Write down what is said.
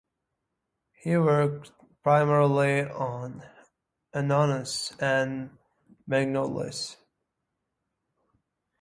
He worked primarily on Annonaceae and Magnoliaceae.